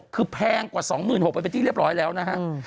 คือแพงกว่า๒๖๐๐ไปเป็นที่เรียบร้อยแล้วนะฮะ